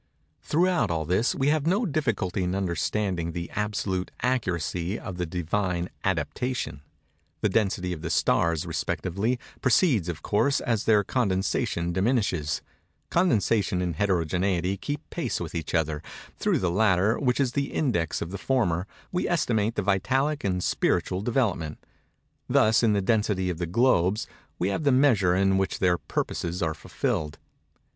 Throughout all this we have no difficulty in understanding the absolute accuracy of the Divine adaptation. The density of the stars, respectively, proceeds, of course, as their condensation diminishes; condensation and heterogeneity keep pace with each other; through the latter, which is the index of the former, we estimate the vitalic and spiritual development. Thus, in the density of the globes, we have the measure in which their purposes are fulfilled.